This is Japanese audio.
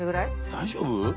大丈夫？